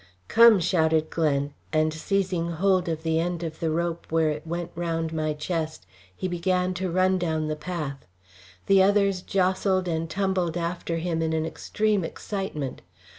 "Come," shouted Glen, and seizing hold of the end of the rope where it went round my chest, he began to run down the path. The others jostled and tumbled after him in an extreme excitement.